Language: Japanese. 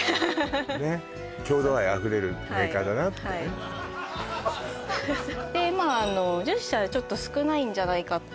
ねっ郷土愛あふれるメーカーだなってねでまあ１０社ちょっと少ないんじゃないかって